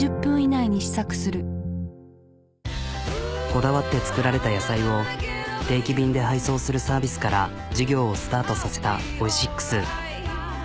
こだわって作られた野菜を定期便で配送するサービスから事業をスタートさせたオイシックス。